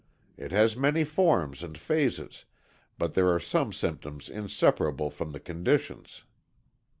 It has many forms and phases, but there are some symptoms inseparable from the conditions.